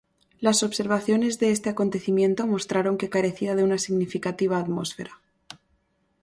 Las observaciones de este acontecimiento mostraron que carecía de una significativa atmósfera.